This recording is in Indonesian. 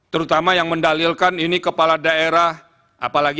terutama yang mendalilkan ini kepala daerah apalagi yang masih angka